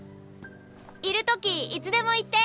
いる時いつでも言って。